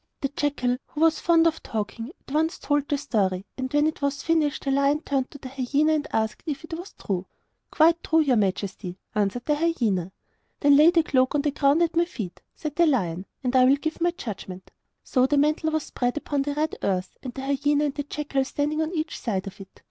The jackal, who was fond of talking, at once told the story; and when it was finished the lion turned to the hyena and asked if it was true. 'Quite true, your majesty,' answered the hyena. 'Then lay the cloak on the ground at my feet,' said the lion, 'and I will give my judgment.' So the mantle was spread upon the red earth, the hyena and the jackal standing on each side of it.